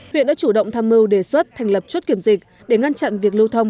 huyện đã chủ động tham mưu đề xuất thành lập chốt kiểm dịch để ngăn chặn việc lưu thông